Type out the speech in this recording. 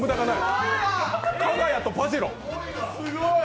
すごい！